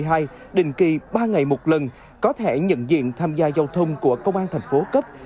sách covid hai đình kỳ ba ngày một lần có thể nhận diện tham gia giao thông của công an thành phố cấp